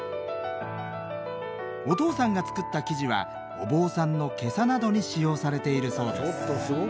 お父さんが作った生地はお坊さんのけさなどに使用されているそうです